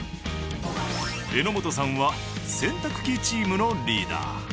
榎本さんは洗濯機チームのリーダー。